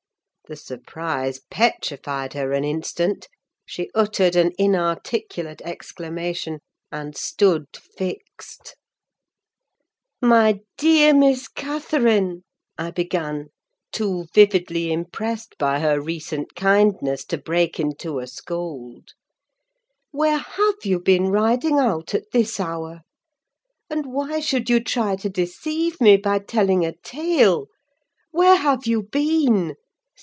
The surprise petrified her an instant: she uttered an inarticulate exclamation, and stood fixed. "My dear Miss Catherine," I began, too vividly impressed by her recent kindness to break into a scold, "where have you been riding out at this hour? And why should you try to deceive me by telling a tale? Where have you been?